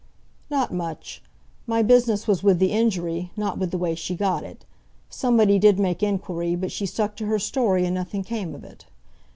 "Not much. My business was with the injury, not with the way she got it. Somebody did make inquiry, but she stuck to her story and nothing came of it.